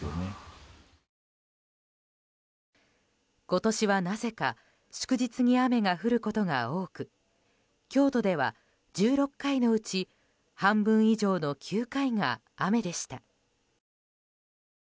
今年はなぜか祝日に雨が降ることが多く京都では１６回のうち半分以上の９回が雨でした。